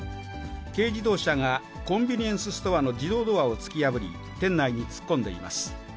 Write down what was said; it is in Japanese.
軽自動車がコンビニエンスストアの自動ドアを突き破り、店内に突っ込んでいます。